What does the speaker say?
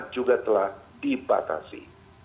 juga telah dibatasi